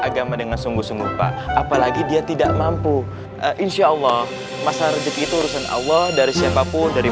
agama dengan sungguh sungguh pak apalagi dia tidak mampu insyaallah masa rezeki itu urusan allah dari siapapun dari